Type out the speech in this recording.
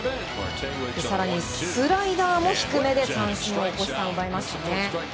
更にスライダーも低めで三振を奪いましたね、大越さん。